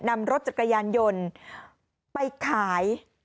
นำรถจักรยานยนต์ไปขาย